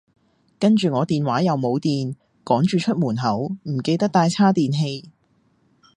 跟住我電話又冇電，趕住出門口，唔記得帶叉電器